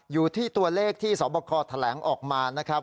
อยู่ที่ตัวเลขที่สบคแถลงออกมานะครับ